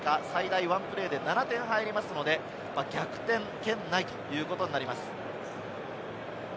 最大ワンプレーで７点入るので、逆転圏内ということになります。